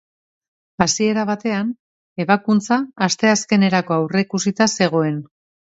Hasiera batean, ebakuntza asteazkenerako aurreikusita zegoen.